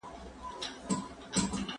اسټروېډونه د فلزاتو او ډبرو ترکیب لري.